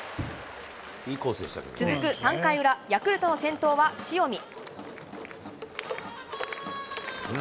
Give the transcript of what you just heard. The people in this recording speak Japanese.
続く３回裏、ヤクルトの先頭は塩見。